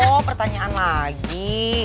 oh pertanyaan lagi